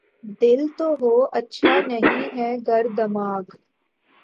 دل تو ہو‘ اچھا‘ نہیں ہے گر دماغ